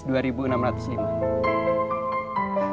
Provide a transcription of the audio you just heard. pembelajaran kejadian dan pengalaman